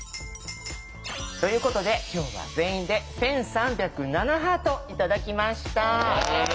ということで今日は全員で１３０７ハート頂きました。